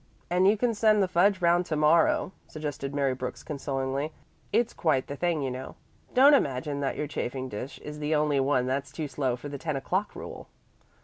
"And you can send the fudge round to morrow," suggested Mary Brooks consolingly. "It's quite the thing, you know. Don't imagine that your chafing dish is the only one that's too slow for the ten o'clock rule."